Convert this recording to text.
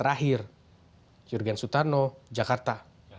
terakhir jurgen sutarno jakarta